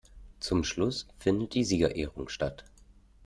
Zum Schluss findet die Siegerehrung statt.